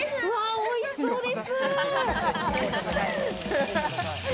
おいしそうです。